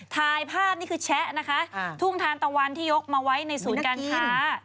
ถ่ายภาพนี่คือแชะนะคะทุ่งทานตะวันที่ยกมาไว้ในศูนย์การค้า